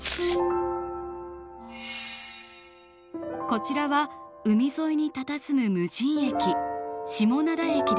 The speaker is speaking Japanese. こちらは海沿いにたたずむ無人駅下灘駅です。